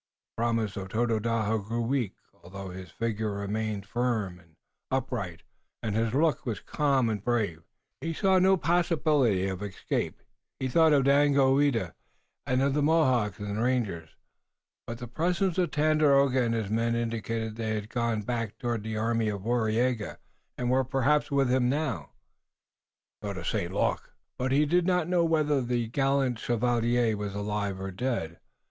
The promise of Tododaho grew weak. Although his figure remained firm and upright and his look was calm and brave he saw no possibility of escape. He thought of Daganoweda, of the Mohawks and the rangers, but the presence of Tandakora and his men indicated that they had gone back toward the army of Waraiyageh, and were perhaps with him now. He thought of St. Luc, but he did not know whether the gallant Chevalier was alive or dead.